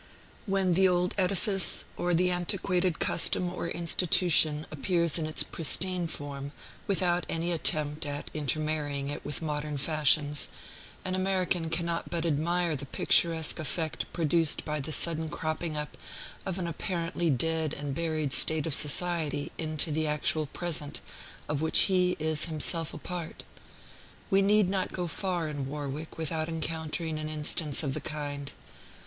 When the old edifice, or the antiquated custom or institution, appears in its pristine form, without any attempt at intermarrying it with modern fashions, an American cannot but admire the picturesque effect produced by the sudden cropping up of an apparently dead and buried state of society into the actual present, of which he is himself a part. We need not go far in Warwick without encountering an instance of the kind.